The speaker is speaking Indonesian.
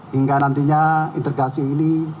hingga nantinya integrasi ini